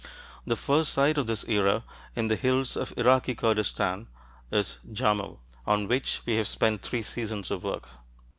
The first site of this era, in the hills of Iraqi Kurdistan, is Jarmo, on which we have spent three seasons of work.